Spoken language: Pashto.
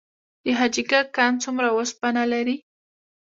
د حاجي ګک کان څومره وسپنه لري؟